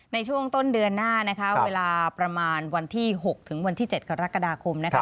ในช่วงต้นเดือนหน้านะคะเวลาประมาณวันที่๖ถึงวันที่๗กรกฎาคมนะคะ